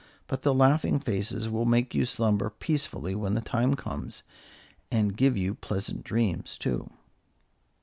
But the laughing faces will make you slumber peacefully when the time comes, and give you pleasant dreams, too."